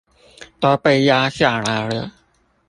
都被壓下來了